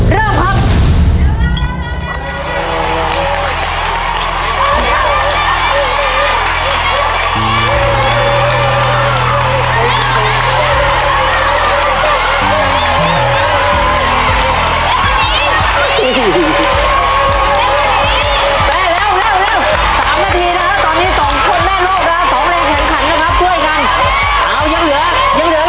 เริ่มครับ